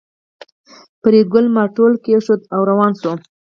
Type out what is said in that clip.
فریدګل مارتول کېښود او روان شو